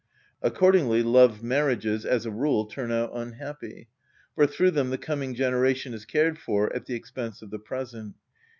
Accordingly love marriages, as a rule, turn out unhappy; for through them the coming generation is cared for at the expense of the present.